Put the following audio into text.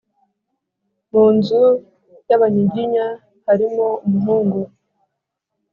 mu nzu y Abanyiginya harimo umuhungu